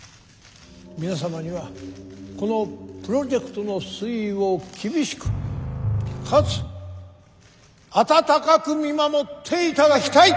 皆様にはこのプロジェクトの推移を厳しくかつ温かく見守っていただきたい。